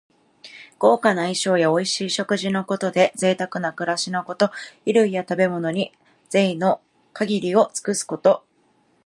豪華な衣装やおいしい食事のことで、ぜいたくな暮らしのこと。衣類や食べ物に、ぜいの限りを尽くすこと。